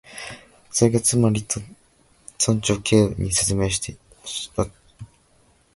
「それがつまり」と、村長は Ｋ に説明していった「私が村長になったころのもので、あのころは私もまだあらゆる書類をしまっておいたんです」